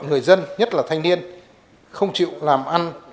người dân nhất là thanh niên không chịu làm ăn